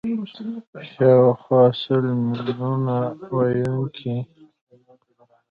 شاوخوا سل میلیونه ویونکي